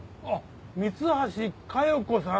三橋加代子さん